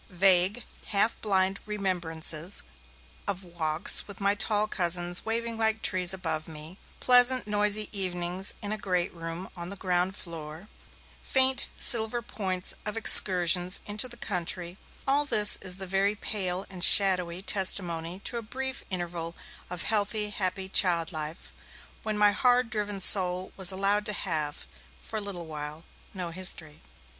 Vague, half blind remembrances of walks, with my tall cousins waving like trees above me, pleasant noisy evenings in a great room on the ground floor, faint silver points of excursions into the country, all this is the very pale and shadowy testimony to a brief interval of healthy, happy child life, when my hard driven soul was allowed to have, for a little while, no history.